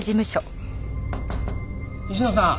西野さん。